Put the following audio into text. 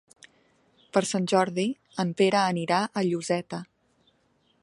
Per Sant Jordi en Pere anirà a Lloseta.